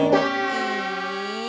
iya apaan sih